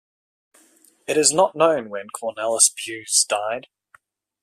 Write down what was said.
It is not known when Cornelis Buys died.